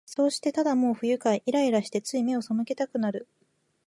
そうして、ただもう不愉快、イライラして、つい眼をそむけたくなる